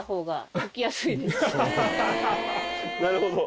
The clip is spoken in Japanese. なるほど。